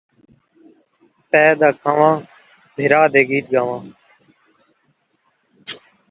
بن٘دے دا ٻال پلے، سونے دی سِلھ ڳلے